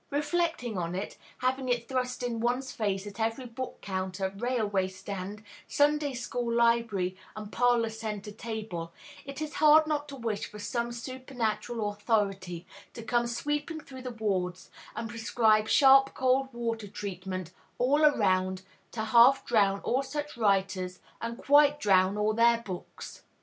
Reflecting on it, having it thrust in one's face at every book counter, railway stand, Sunday school library, and parlor centre table, it is hard not to wish for some supernatural authority to come sweeping through the wards, and prescribe sharp cold water treatment all around to half drown all such writers and quite drown all their books!